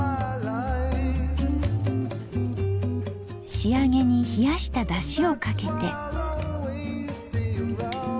仕上げに冷やしただしをかけて。